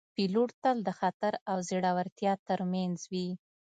پیلوټ تل د خطر او زړورتیا ترمنځ وي